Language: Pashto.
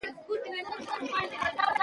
دا ټول صفتونه به سړي ته منسوب شي.